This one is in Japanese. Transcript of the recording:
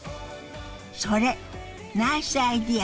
それナイスアイデア！